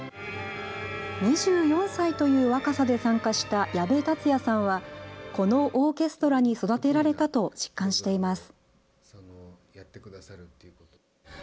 ２４歳という若さで参加した矢部達哉さんは、このオーケストラに育てられたと実感しています。